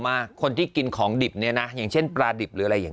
ว่าคนที่กินของดิบเนี่ยนะอย่างเช่นปลาดิบหรืออะไรอย่าง